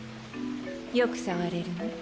よく触れるね。